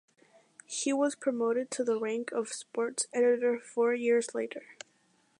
He was promoted to the rank of Sports Editor four years later.